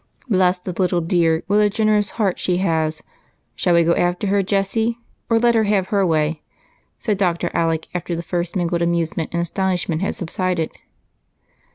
"Bless the little dear, what a generous heart she has I Shall we go after her, Jessie, or let her have 112 EIGHT COUSINS. her way?" said Dr. Alec, after the first mingled amusement and astonishment had subsided.